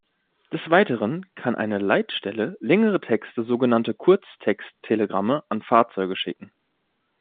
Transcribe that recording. Des Weiteren kann eine Leitstelle längere Texte, sogenannte "Kurztext-Telegramme", an Fahrzeuge schicken.